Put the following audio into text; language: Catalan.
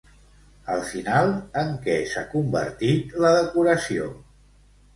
Al final, en què s'ha convertit la decoració?